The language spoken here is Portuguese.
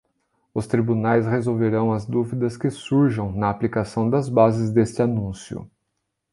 Os tribunais resolverão as dúvidas que surjam na aplicação das bases deste anúncio.